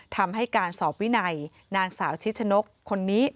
ทำให้การสอบวินัยนางสาวชิชนกคนนี้